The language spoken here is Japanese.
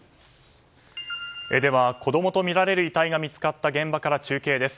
では、子供とみられる遺体が見つかった現場から中継です。